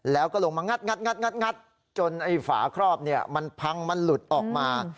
แล้วก็ลงมางัดงัดงัดงัดงัดจนไอ้ฝาครอบเนี่ยมันพังมันหลุดออกมา